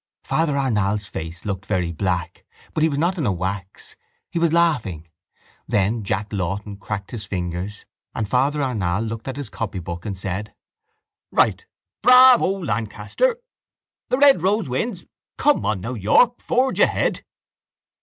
Father Arnall's face looked very black but he was not in a wax: he was laughing. Then Jack Lawton cracked his fingers and Father Arnall looked at his copybook and said: —Right. Bravo Lancaster! The red rose wins. Come on now, York! Forge ahead!